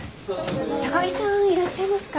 高木さんいらっしゃいますか？